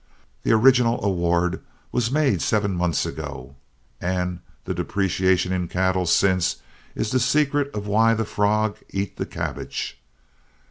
The original award was made seven months ago, and the depreciation in cattle since is the secret of why the frog eat the cabbage.